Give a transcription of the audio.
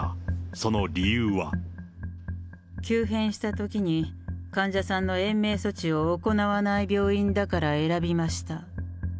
その理由は。急変したときに患者さんの延命措置を行わない病院だから選びました。